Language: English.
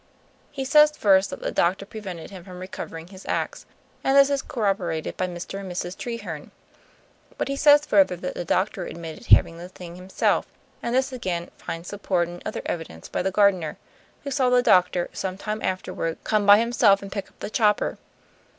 He says first that the doctor prevented him from recovering his ax, and this is corroborated by Mr. and Mrs. Treherne. But he says further that the doctor admitted having the thing himself; and this again finds support in other evidence by the gardener, who saw the doctor, some time afterward, come by himself and pick up the chopper.